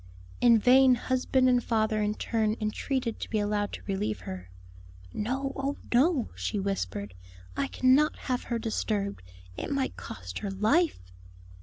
In vain husband and father in turn entreated to be allowed to relieve her. "No, oh no!" she whispered. "I cannot have her disturbed; it might cost her life."